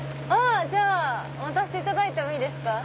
じゃあ待たせていただいていいですか。